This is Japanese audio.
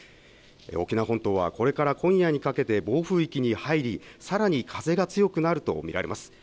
沖縄本島はこれから今夜にかけて暴風域に入り、さらに風が強くなると見られます。